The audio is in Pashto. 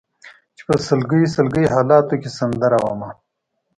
چې په سلګۍ سلګۍ حالاتو کې سندره ومه